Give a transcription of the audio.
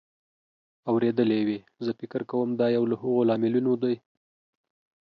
اورېدلې وې. زه فکر کوم دا یو له هغو لاملونو دی